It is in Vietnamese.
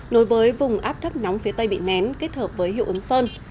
nối với vùng áp thấp nóng phía tây bị nén kết hợp với hiệu ứng phơn